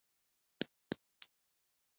له پخوانيو او نویو بېلګو څخه غوره کړو